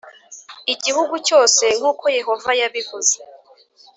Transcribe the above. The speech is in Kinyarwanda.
igihugu cyose nk uko Yehova yabivuze